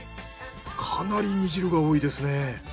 かなり煮汁が多いですね。